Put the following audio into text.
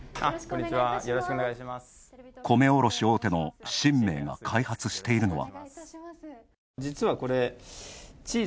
米卸大手の神明が開発しているのは。